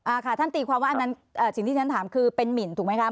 ค่ะท่านตีความว่าอันนั้นสิ่งที่ฉันถามคือเป็นหมินถูกไหมคะ